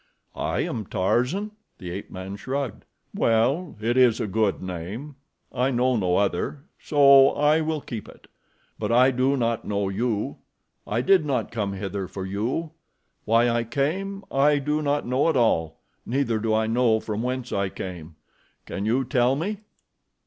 "I am Tarzan?" The ape man shrugged. "Well, it is a good name—I know no other, so I will keep it; but I do not know you. I did not come hither for you. Why I came, I do not know at all; neither do I know from whence I came. Can you tell me?"